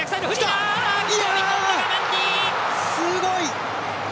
すごい！